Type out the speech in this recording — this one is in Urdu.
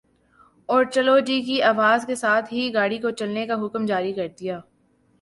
اور چلو جی کی آواز کے ساتھ ہی گاڑی کو چلنے کا حکم جاری کر دیا